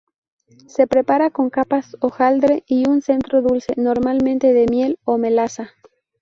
Se prepara con capas hojaldre y un centro dulce, normalmente de miel o melaza.